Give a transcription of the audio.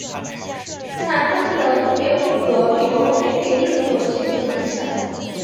但他们的音乐风格对王菲没有任何显着影响。